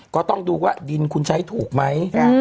ก็ต้องดูว่าดินคุณใช้ถูกไหม